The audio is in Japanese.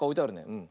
うん。